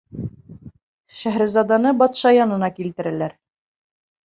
Шәһрезаданы батша янына килтерәләр.